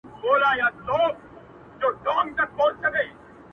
چا پیران اوچا غوثان را ننګوله -